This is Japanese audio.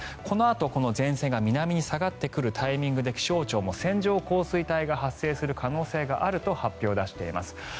このあと、この前線が南に下がってくるタイミングで気象庁も線状降水帯が発生する可能性があると発表を出しています。